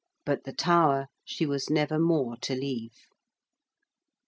But the Tower she was never more to leave.